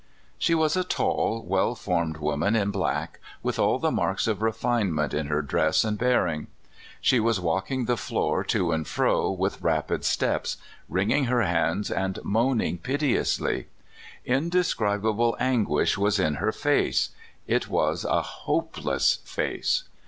She was a tall, well formed woman in black, with all the marks of refinement in her dress and bearing. She was walking the floor to and fro with rapid steps, wringing her hands and moaning piteously. Indescribable anguish was in her face — it was a homeless face.